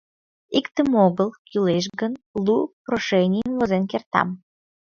Иктым огыл, кӱлеш гын, лу прошенийым возен кертам.